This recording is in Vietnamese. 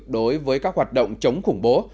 đối với các hoạt động chống khủng bố